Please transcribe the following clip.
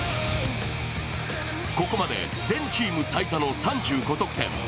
ここまで全チーム最多の３５得点。